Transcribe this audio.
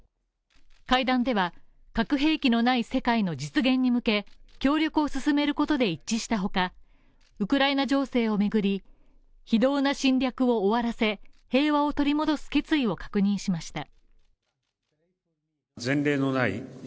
会談では、核兵器のない世界の実現に向け、協力を進めることで一致した他、ウクライナ情勢を巡り、非道な侵略を終わらせ、平和を取り戻す決意を確認しました。